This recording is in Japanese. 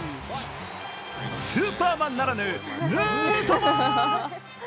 スーパーマンならぬヌートマーン！！